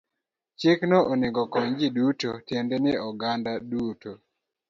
Chikno onego okony ji duto, tiende ni oganda duto.